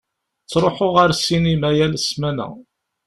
Ttṛuḥuɣ ar ssinima yal ssmana.